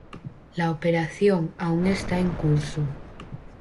La operación aún está en curso.